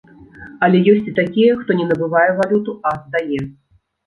Але ёсць і такія, хто не набывае валюту, а здае.